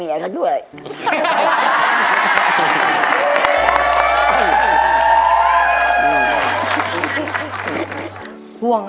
อย่าห่วง